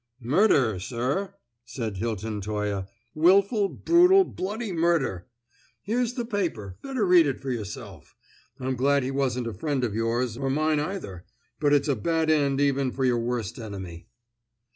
"Murder, sir!" said Hilton Toye. "Wilful, brutal, bloody murder! Here's the paper; better read it for yourself. I'm glad he wasn't a friend of yours, or mine either, but it's a bad end even for your worst enemy."